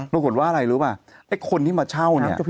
ปรากฏว่าอะไรรู้ป่ะไอ้คนที่มาเช่าเนี่ย